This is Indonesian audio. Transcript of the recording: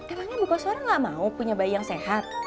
emangnya bu koswara gak mau punya bayi yang sehat